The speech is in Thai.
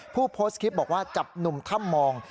ผู้โพสต์คลิปบอกว่าจับหนุ่มถ้ำมอง